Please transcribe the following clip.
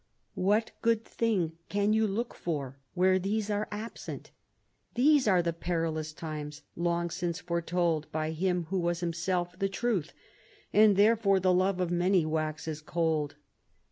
What good thing can you look for where these are absent? These are the perilous times long since foretold by Him who was Himself the Truth, and therefore the love of many waxes cold."